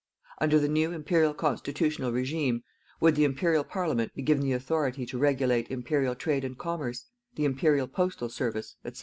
Under the new Imperial constitutional regime, would the Imperial Parliament be given the authority to regulate Imperial trade and commerce, the Imperial postal service, &c.?